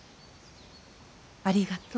ありがとう。